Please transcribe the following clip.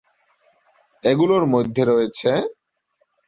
এগুলোর মধ্যে রয়েছেঃ